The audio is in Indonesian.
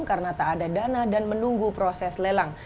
karena tak ada dana dan menunggu proses lelang